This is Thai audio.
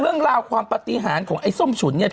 เรื่องราวความปฏิหารของไอ้ส้มฉุนเนี่ย